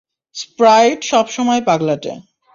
Sprite সবসময়ই পাগলাটে।